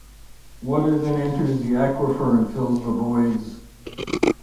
Water then enters the aquifer and fills the voids.